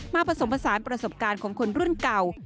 ผสมผสานประสบการณ์ของคนรุ่นเก่า